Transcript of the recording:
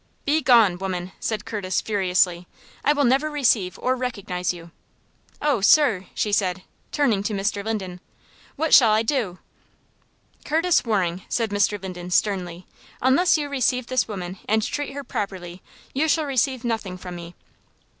"Begone! woman!" said Curtis, furiously. "I will never receive or recognize you!" "Oh, sir!" she said, turning to Mr. Linden, "what shall I do?" "Curtis Waring," said Mr. Linden, sternly, "unless you receive this woman and treat her properly, you shall receive nothing from me."